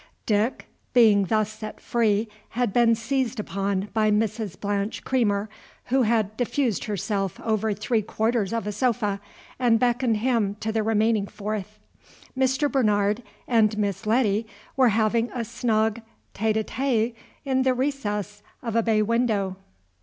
Dick, being thus set free, had been seized upon by Mrs. Blanche Creamer, who had diffused herself over three quarters of a sofa and beckoned him to the remaining fourth. Mr. Bernard and Miss Letty were having a snug fete 'a fete in the recess of a bay window.